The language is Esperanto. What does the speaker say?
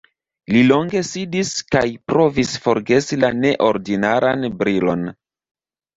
Li longe sidis kaj provis forgesi la neordinaran brilon.